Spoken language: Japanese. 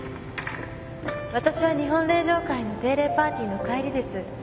わたしは日本令嬢会の定例パーティーの帰りです。